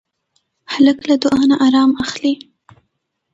هلک له دعا نه ارام اخلي.